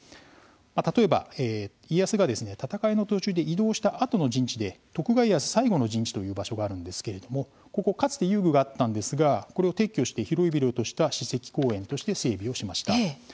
例えば、家康が戦いの途中で移動したあとの陣地で「徳川家康最後陣地」という場所があるんですけれども、ここかつて遊具があったんですがこれを撤去して、広々とした史跡公園として整備をしました。